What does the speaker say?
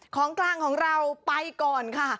ของกลางของเราไปก่อนค่ะ